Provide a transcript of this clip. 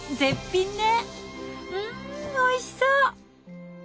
うんおいしそう！